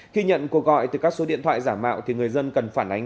khi nhận cuộc gọi từ các số điện thoại giả mạo thì người dân cần phản ánh